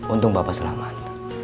untung bapak selamat